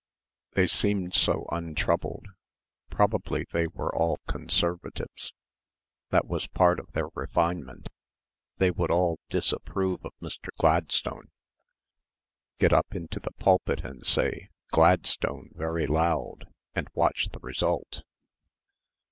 They seemed so untroubled.... Probably they were all Conservatives.... That was part of their "refinement." They would all disapprove of Mr. Gladstone.... Get up into the pulpit and say "Gladstone" very loud ... and watch the result.